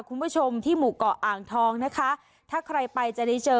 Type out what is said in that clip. คุณผู้ชมที่หมู่เกาะอ่างทองนะคะถ้าใครไปจะได้เจอ